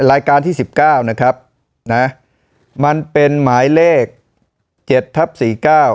รายการที่สิบเก้านะครับนะมันเป็นหมายเลขเจ็ดทับสี่เก้า